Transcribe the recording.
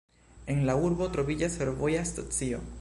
En la urbo troviĝas fervoja stacio.